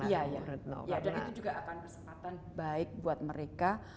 dan itu juga akan kesempatan baik buat mereka